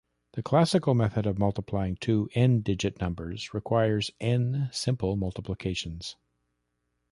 The classical method of multiplying two "n"-digit numbers requires "n" simple multiplications.